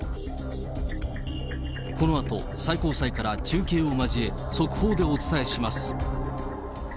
このあと最高裁から中継を交え、速報でお伝えします。